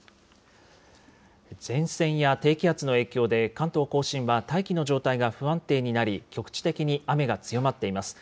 前線や低気圧の影響で、関東甲信は大気の状態が不安定になり、局地的に雨が強まっています。